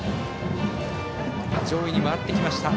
上位に回ってきました。